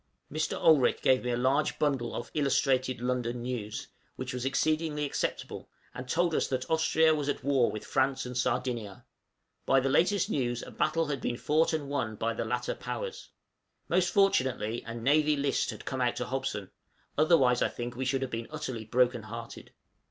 Mr. Olrik gave me a large bundle of 'Illustrated London News,' which was exceedingly acceptable, and told us that Austria was at war with France and Sardinia. By the latest news a battle had been fought and won by the latter Powers. Most fortunately a 'Navy List' had come out to Hobson, otherwise I think we should have been utterly brokenhearted.